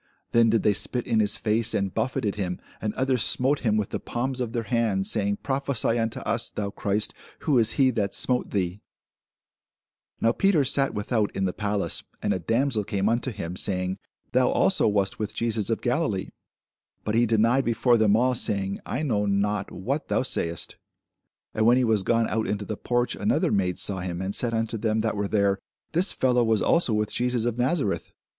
Then did they spit in his face, and buffeted him; and others smote him with the palms of their hands, saying, Prophesy unto us, thou Christ, Who is he that smote thee? [Illustration: CHRIST CROWNED WITH THORNS, BY VAN DYCK IN THE PRADO MUSEUM, MADRID] Now Peter sat without in the palace: and a damsel came unto him, saying, Thou also wast with Jesus of Galilee. But he denied before them all, saying, I know not what thou sayest. And when he was gone out into the porch, another maid saw him, and said unto them that were there, This fellow was also with Jesus of Nazareth.